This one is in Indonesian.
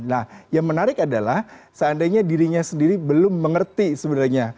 nah yang menarik adalah seandainya dirinya sendiri belum mengerti sebenarnya